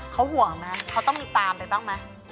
เขาห่วงมั้ยเขาต้องมีตามไปต้องมั้ย